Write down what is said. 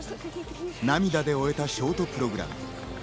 涙で終えたショートプログラム。